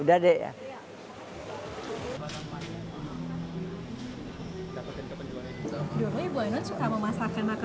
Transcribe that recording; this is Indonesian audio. utilizar penghasilkan maka